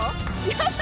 やった！